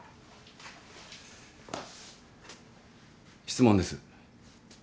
質問です。